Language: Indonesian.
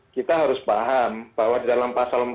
kita harus paham bahwa di dalam pasal empat puluh